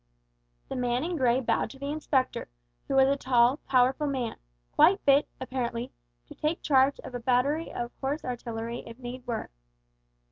The man in grey bowed to the Inspector, who was a tall, powerful man, quite fit, apparently, to take charge of a battery of horse artillery if need were.